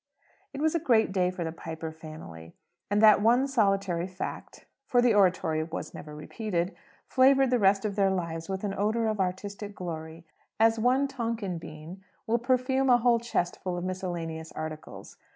It was a great day for the Piper family, and that one solitary fact (for the oratorio was never repeated) flavoured the rest of their lives with an odour of artistic glory, as one Tonquin bean will perfume a whole chest full of miscellaneous articles.